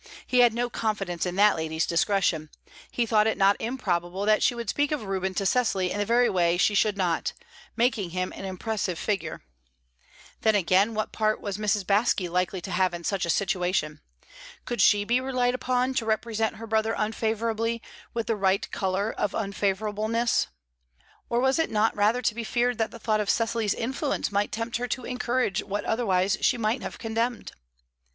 He had no confidence in that lady's discretion; he thought it not improbable that she would speak of Reuben to Cecily in the very way she should not, making him an impressive figure. Then again, what part was Mrs. Baske likely to have in such a situation? Could she be relied upon to represent her brother unfavourably, with the right colour of unfavourableness? Or was it not rather to be feared that the thought of Cecily's influence might tempt her to encourage what otherwise she must have condemned?